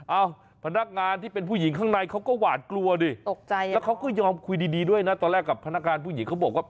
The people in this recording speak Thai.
เอ้าพนักงานที่เป็นผู้หญิงข้างในเขาก็หวาดกลัวดิ